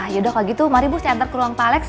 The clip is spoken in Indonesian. yaudah kalo gitu mari bu saya antar ke ruang pak alex